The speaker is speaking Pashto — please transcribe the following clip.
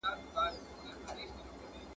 ځان به ولي د ښکاری و تور ته ورکړي !.